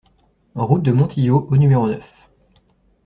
Route de Montillot au numéro neuf